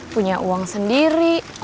punya uang sendiri